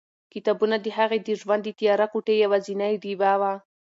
کتابونه د هغې د ژوند د تیاره کوټې یوازینۍ ډېوه وه.